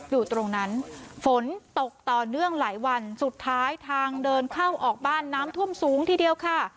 อยู่ตรงนั้นฝนตกต่อเนื่องหลายวันสุดท้ายทางเดินเข้าออกบ้านน้ำท่วมสูงทีเดียวค่ะ